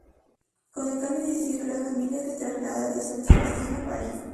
Con el cambio de siglo la familia se traslada de San Sebastián a París.